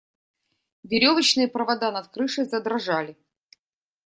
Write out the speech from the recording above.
Веревочные провода над крышей задрожали.